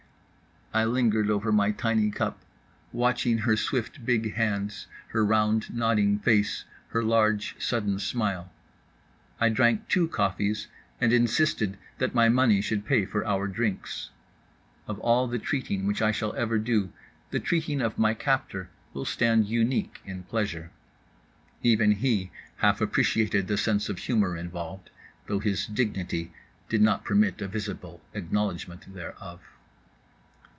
I lingered over my tiny cup, watching her swift big hands, her round nodding face, her large sudden smile. I drank two coffees, and insisted that my money should pay for our drinks. Of all the treating which I shall ever do, the treating of my captor will stand unique in pleasure. Even he half appreciated the sense of humor involved; though his dignity did not permit a visible acknowledgment thereof.